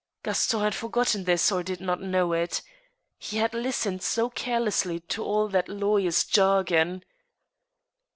Gaston had forgotten this or did not know it. He had listened so carelessly to all that lawyer's jargon